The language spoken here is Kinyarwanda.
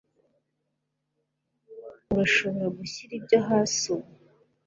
urashobora gushyira ibyo hasi ubu